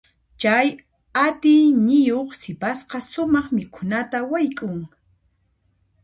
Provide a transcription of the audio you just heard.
Chay atiyniyuq sipasqa sumaq mikhunata wayk'un.